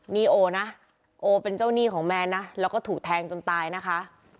นี่โอนะโอเป็นเจ้าหนี้ของแมนนะแล้วก็ถูกแทงจนตายนะคะ